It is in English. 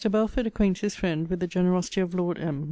Belford acquaints his friend with the generosity of Lord M.